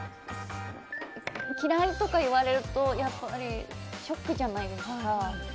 嫌いとか言われるとやっぱりショックじゃないですか。